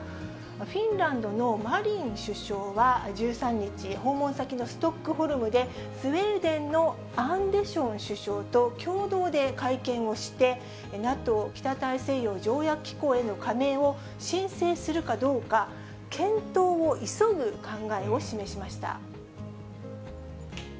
フィンランドのマリン首相は１３日、訪問先のストックホルムで、スウェーデンのアンデション首相と共同で会見をして、ＮＡＴＯ・北大西洋条約機構への加盟を申請するかどうか、検討を急ぐ考えを示しました。